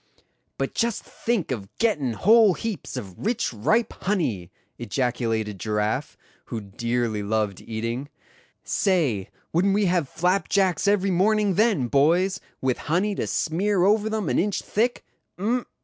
"But just think of gettin' whole heaps of rich ripe honey!" ejaculated Giraffe, who dearly loved eating; "say, wouldn't we have flapjacks every morning then, boys, with honey to smear over them an inch thick? Um!